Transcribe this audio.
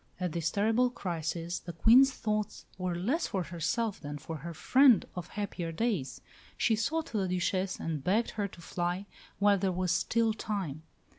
At this terrible crisis the Queen's thoughts were less for herself than for her friend of happier days. She sought the Duchesse and begged her to fly while there was still time.